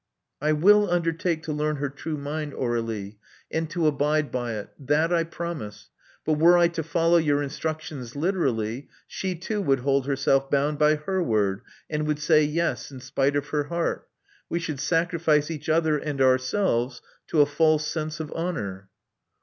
I will undertake to learn her true mind, Aur^lie, and to abide by it. That I promise. But were I to follow your instructions literally, she too would hold herself bound by her word, and would say *yes,' in spite of her heart. We should sacrifice each other and ourselves to a false sense of honor."